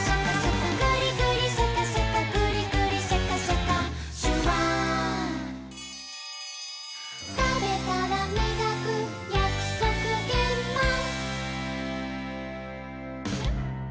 「グリグリシャカシャカグリグリシャカシャカ」「シュワー」「たべたらみがくやくそくげんまん」